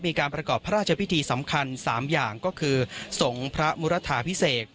มีการประกอบพระราชพิธีสำคัญ๓อย่างก็คือสงฆ์พระมุรทาพิเศษ